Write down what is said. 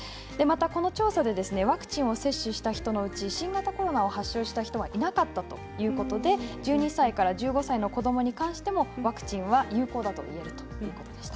この調査でワクチンを接種した人のうち新型コロナを発症した人はいなかったということで１２歳から１５歳の子どもに関してもワクチンは有効だということでした。